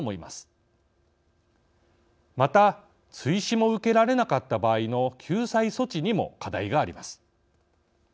また追試も受けられなかった場合の救済措置にも課題があります。